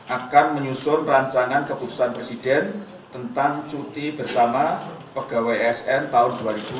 akan menyusun rancangan keputusan presiden tentang cuti bersama pegawai asn tahun dua ribu dua puluh